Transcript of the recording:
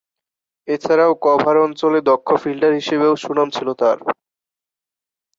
এছাড়াও কভার অঞ্চলে দক্ষ ফিল্ডার হিসেবেও সুনাম ছিল তার।